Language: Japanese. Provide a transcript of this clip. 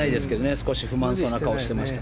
少し不満そうな顔をしていました。